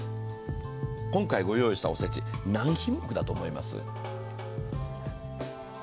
今回ご用意したおせち、何品目だと思います？